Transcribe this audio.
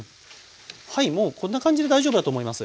はいもうこんな感じで大丈夫だと思います。